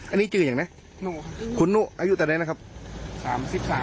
อันนี้จืออย่างไหนคุณหนุอายุแต่ไหนนะครับ๓๓ครับ